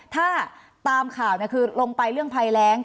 ถ้าตามข่าวคือลงไปเรื่องภัยแรง